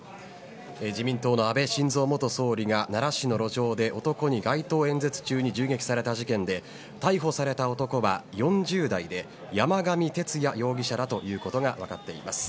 自民党の安倍晋三元総理が奈良市の路上で男に街頭演説中に銃撃された事件で逮捕された男は、４０代で山上徹也容疑者だということが分かっています。